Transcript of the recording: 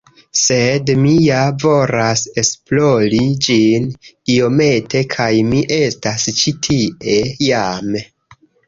sed mi ja volas esplori ĝin iomete, kaj mi estas ĉi tie jam.